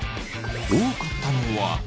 多かったのは。